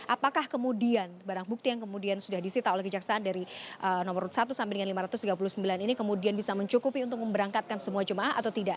apakah kemudian barang bukti yang kemudian sudah disita oleh kejaksaan dari nomor satu sampai dengan lima ratus tiga puluh sembilan ini kemudian bisa mencukupi untuk memberangkatkan semua jemaah atau tidak